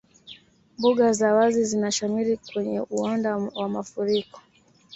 Mbuga za wazi zinashamiri kwenye uwanda wa mafuriko